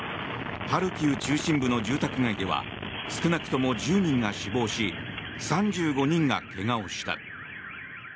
ハルキウ中心部の住宅街では少なくとも１０人が死亡し３５人が怪我をした。